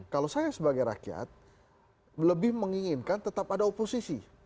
kalau saya sebagai rakyat lebih menginginkan tetap ada oposisi